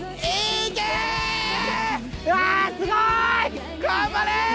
うわすごい！